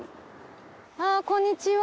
あっこんにちは。